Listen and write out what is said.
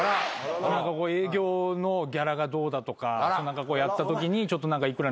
営業のギャラがどうだとか何かやったときにちょっと何か幾ら。